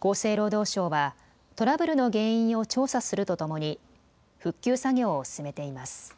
厚生労働省はトラブルの原因を調査するとともに復旧作業を進めています。